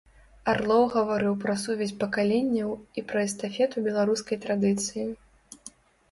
Арлоў гаварыў пра сувязь пакаленняў і пра эстафету беларускай традыцыі.